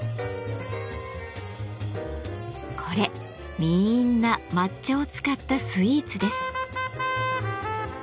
これみんな抹茶を使ったスイーツです。